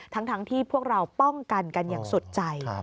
ทั้งที่พวกเราป้องกันกันอย่างสุดใจ